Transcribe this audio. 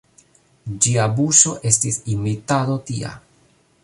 Ĝia buŝo estis imitado tia.